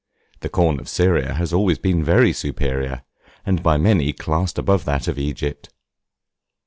The corn of Syria has always been very superior, and by many classed above that of Egypt.